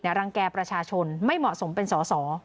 รังแก่ประชาชนไม่เหมาะสมเป็นสอสอ